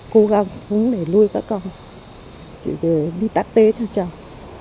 cố gắng sống để nuôi các con chỉ để đi tắc tế cho chồng